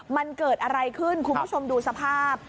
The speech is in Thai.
มันเกิดอะไรขึ้นคุณผู้ชมดูสภาพ